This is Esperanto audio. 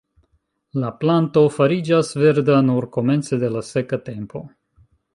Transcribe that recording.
La planto fariĝas verda nur komence de la seka tempo.